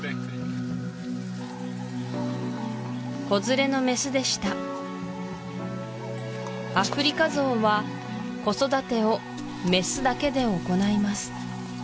子連れのメスでしたアフリカゾウは子育てをメスだけで行います